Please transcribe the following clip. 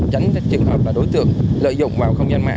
tránh cái trường hợp là đối tượng lợi dụng vào công ty